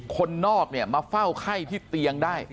คนนอกเนี่ยมาเฝ้าไข้ที่เตียงได้